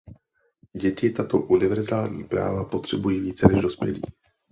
Děti tato univerzální práva potřebují více než dospělí.